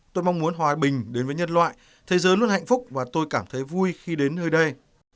tôi mong muốn hòa bình đến với nhân loại thế giới luôn hạnh phúc và tôi cảm thấy vui khi đến nơi đây